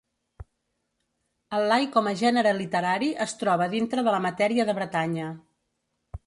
El lai com a gènere literari es troba dintre de la matèria de Bretanya.